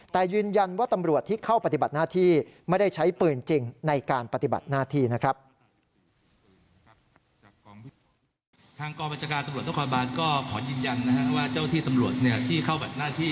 แต่ยืนยันว่าตำรวจที่เข้าปฏิบัติหน้าที่ไม่ได้ใช้ปืนจริงในการปฏิบัติหน้าที่นะครับ